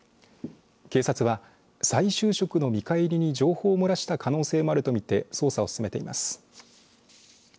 警察は、再就職の見返りに情報を漏らした可能性もあると見て捜査を進めています。